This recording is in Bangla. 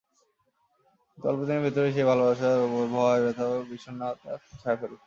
কিন্তু অল্পদিনের ভেতরেই সেই ভালোবাসার ওপর ব্যথা, ভয়, বিষন্নতা এসে ছায়া ফেলল।